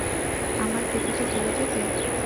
আমার টুপিটা তুলে দেবে?